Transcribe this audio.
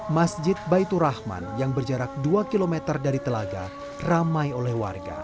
masjid baitur rahman yang berjarak dua km dari telaga ramai oleh warga